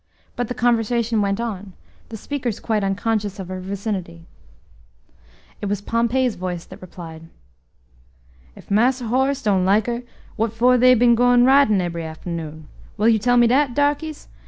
But the conversation went on, the speakers quite unconscious of her vicinity. It was Pompey's voice that replied. "Ef Marse Horace don't like her, what for they been gwine ridin' ebery afternoon? will you tell me dat, darkies?